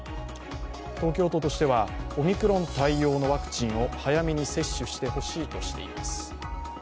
東京都としては、オミクロン対応のワクチンを早めに接種してほしいとしています。